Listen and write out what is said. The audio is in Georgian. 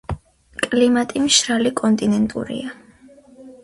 კლიმატი მშრალი კონტინენტურია.